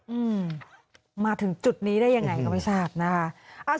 อืมมาถึงจุดนี้ได้ยังไงครับวิทยาศาสตร์นะคะ